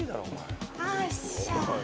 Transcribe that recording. あよいしょ。